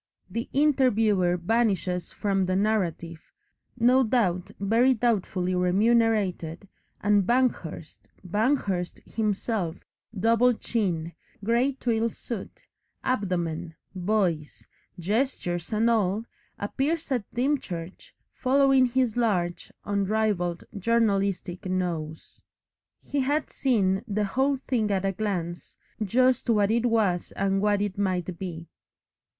The interviewer vanishes from the narrative, no doubt very doubtfully remunerated, and Banghurst, Banghurst himself, double chin, grey twill suit, abdomen, voice, gestures and all, appears at Dymchurch, following his large, unrivalled journalistic nose. He had seen the whole thing at a glance, just what it was and what it might be.